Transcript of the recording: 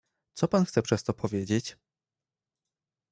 "Co pan chce przez to powiedzieć?"